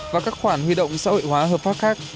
và các khoản huy động xã hội hóa hợp pháp khác